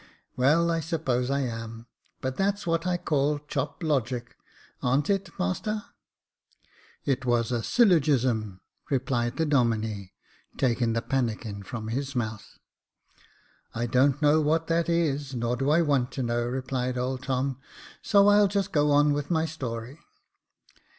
" Well, I suppose I am ; but that's what I call chop logic — aren't it, master ?"" It was a syllogism," replied the Domine, taking the pannikin from his mouth. Jacob Faithful 109 I don't know what that is, nor do I want to know," replied old Tom ;" so I'll just go on with my story.